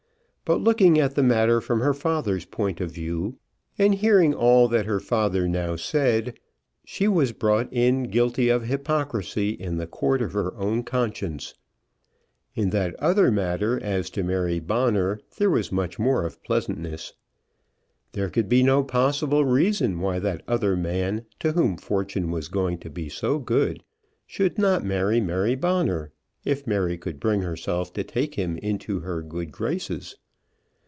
But looking at the matter from her father's point of view, and hearing all that her father now said, she was brought in guilty of hypocrisy in the court of her own conscience. In that other matter as to Mary Bonner there was much more of pleasantness. There could be no possible reason why that other man, to whom Fortune was going to be so good, should not marry Mary Bonner, if Mary could bring herself to take him into her good graces.